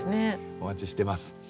お待ちしてます。